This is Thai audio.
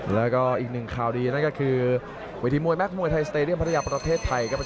แล้วอีกนึงคราวดีนั่นก็คือวิธีมวยแม็กท์มวยไทยสเตรเลียนประธาปรเทศไทยครับ